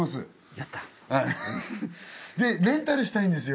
やった。でレンタルしたいんですよ。